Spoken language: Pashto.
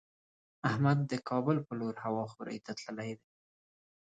احمد د کابل په لور هوا خورۍ ته تللی دی.